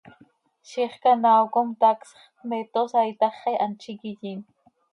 Ziix canaao com tacsx, tmeetosa itaxi, hant z iiqui yiin.